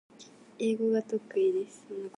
英語が得意です